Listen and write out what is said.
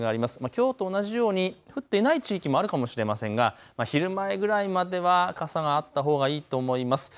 きょうと同じように降っていない地域もあるかもしれませんが昼前ぐらいまでは傘があったほうがいいと思います。